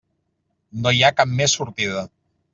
No hi ha cap més sortida.